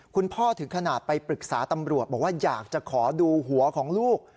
ถึงขนาดไปปรึกษาตำรวจบอกว่าอยากจะขอดูหัวของลูก